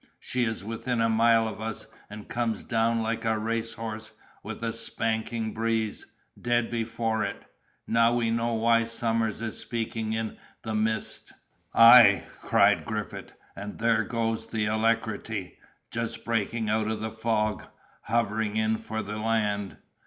She is within a mile of us, and comes down like a race horse, with a spanking breeze, dead before it! Now know we why Somers is speaking in the mist!" "Ay," cried Griffith, "and there goes the Alacrity, just breaking out of the fog, hovering in for the land!"